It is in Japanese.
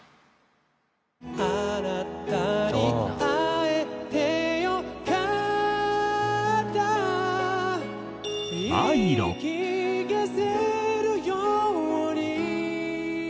「“あなたに逢えてよかった”」「言い聞かせるように」